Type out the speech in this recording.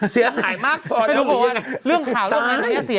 เสียหายมากพอแล้วหรือยังไง